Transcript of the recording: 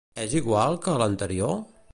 És igual que a l'anterior?